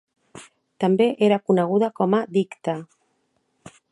També era coneguda com a Dicte.